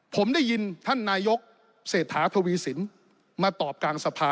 ผมได้ยินท่านนายกเศรษฐาทวีสินมาตอบกลางสภา